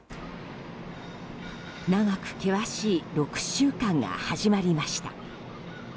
長く険しい６週間が始まりました。